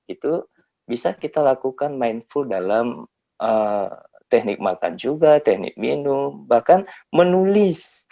itu bisa kita lakukan mindful dalam teknik makan juga teknik minum bahkan menulis